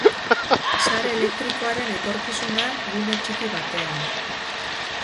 Sare elektrikoaren etorkizuna, gune txiki batean.